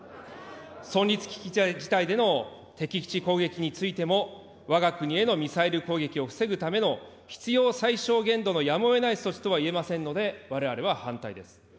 存立危機事態での敵基地攻撃についても、わが国へのミサイル攻撃を防ぐための必要最小限度のやむをえない措置とは言えませんので、われわれは反対です。